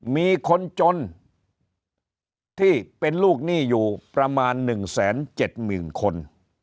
มีคนจนที่เป็นลูกหนี้อยู่ประมาณ๑๗๐๐๐คน